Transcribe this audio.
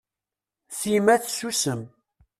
Sima tessusem.